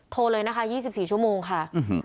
โทรเลยนะคะ๒๔ชั่วโมงค่ะ